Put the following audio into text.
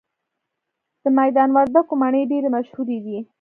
د میدان وردګو مڼې ډیرې مشهورې دي